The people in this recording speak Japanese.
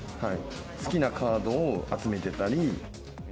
好きなカードを集めてたり。